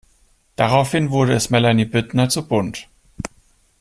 Daraufhin wurde es Melanie Büttner zu bunt.